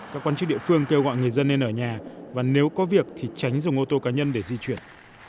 các quan chức địa phương kêu gọi người dân nên ở nhà và nếu có việc thì tránh dùng ô tô cá nhân để di chuyển